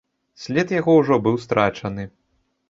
След яго ўжо быў страчаны.